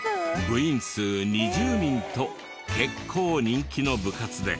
部員数２０人と結構人気の部活で。